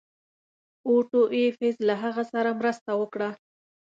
اوټو ایفز له هغه سره مرسته وکړه.